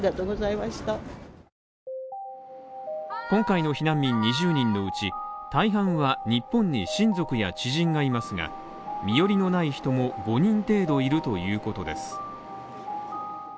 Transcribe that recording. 今回の避難民２０人のうち大半は日本に親族や知人がいますが身寄りのない人も５人程度いるということです。